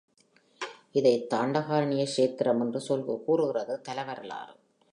இதைத் தண்டகாரண்ய க்ஷேத்திரம் என்று கூறுகிறது தல வரலாறு.